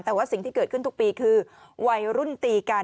แต่ว่าสิ่งที่เกิดขึ้นทุกปีคือวัยรุ่นตีกัน